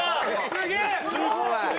すげえ！